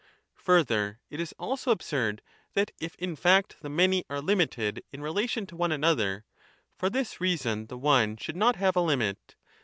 6 Further, it is also absurd that if in fact the Many are limited in relation to one another, for this reason the One should not have a limit.